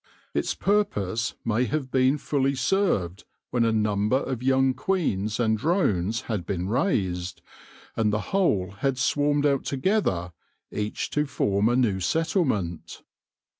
Its purpose may have been fully served when a number of young queens and drones had been raised, and the whole had swarmed out together, each to form a new settle ment.